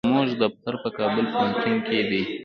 زموږ دفتر په کابل پوهنتون کې دی.